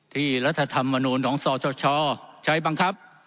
ที่รัฐธรรมมนูญของสอชชใช้บังคับ